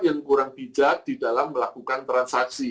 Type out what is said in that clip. yang kurang bijak di dalam melakukan transaksi